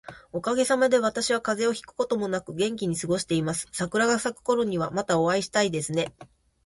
おかげさまで、私は風邪をひくこともなく元気に過ごしています。桜が咲くころには、またお会いしたいですね。